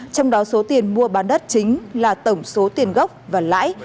trong đó số tiền mua bán đất chính là tổng số tiền gốc và lãi